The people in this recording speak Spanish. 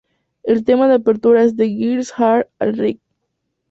El tema de apertura es "The Girls Are Alright!